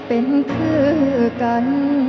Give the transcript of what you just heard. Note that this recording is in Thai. สวัสดีครับ